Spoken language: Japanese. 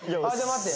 待って。